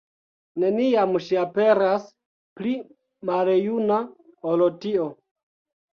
Neniam ŝi aperas pli maljuna ol tio.